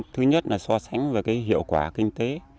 thứ nhất là so sánh về cái hiệu quả kinh tế